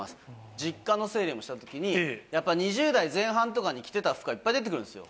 実家の整理をしたときに、やっぱり２０代前半とかに着てた服がいっぱい出てくるんですよ。